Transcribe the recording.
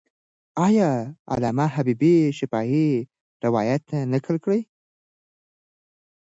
آیا علامه حبیبي شفاهي روایت نقل کړی؟